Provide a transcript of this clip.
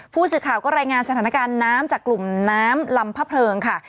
ผู้สื่อข่าวก็รายงานสถานการณ์น้ำจากกลุ่มน้ำลำพะเพลิงค่ะ